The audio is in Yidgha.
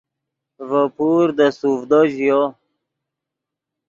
ڤے پور دے سوڤدو ژیو